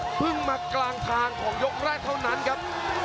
พึ่งมากลางทางของยกแรกเท่านั้นครับ